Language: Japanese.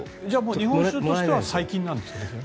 じゃあ日本酒は最近なんですね。